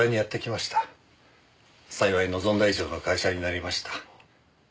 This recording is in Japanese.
幸い望んだ以上の会社になりました。